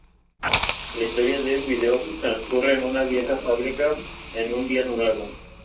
La historia del video transcurre en una vieja fábrica en un día nublado.